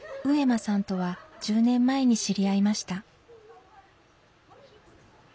上間さんとは１０年前に知り合いました。